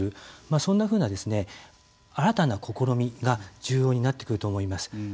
そんなふうな新たな試みが重要になってくると思います。